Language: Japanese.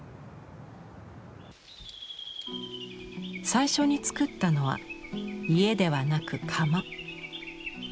最初につくったのは家ではなく窯。